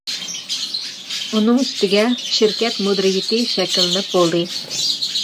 ئۇنىڭ ئۈستىگە، شىركەت مۇدىرىيىتى شەكىللىنىپ بولدى.